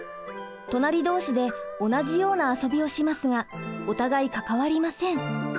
隣同士で同じような遊びをしますがお互い関わりません。